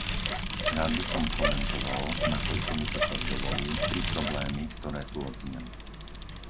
Rád by som komentoval, nakoľko mi to čas dovolí, tri problémy, ktoré tu odzneli.